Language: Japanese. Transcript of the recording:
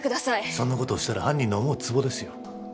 そんなことをしたら犯人の思うつぼですよ